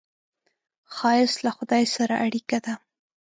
ښایست له خدای سره اړیکه ده